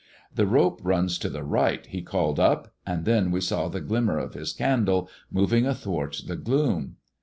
"The rope runs to the right,'^ he called up; and then we saw the glimmer of his candle moving athwart the gloom.